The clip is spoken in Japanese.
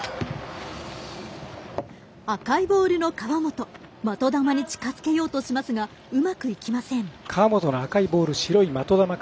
赤いボールの河本的玉に近づけ落としますがうまくいきません。